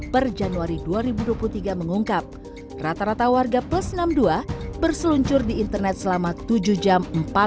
dua ribu dua puluh tiga per januari dua ribu dua puluh tiga mengungkap rata rata warga plus enam puluh dua berseluncur di internet selama tujuh jam empat puluh dua